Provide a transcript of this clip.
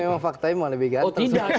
memang faktanya mau lebih ganteng